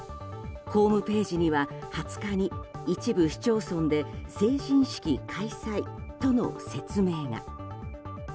ホームページには２０日に一部市町村で成人式開催との説明が。